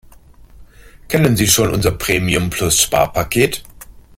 Kennen Sie schon unser Premium-Plus-Sparpaket?